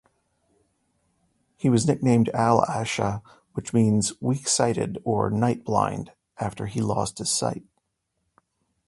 He was nicknamed Al-A'sha which means "weak-sighted" or "night-blind" after he lost his sight.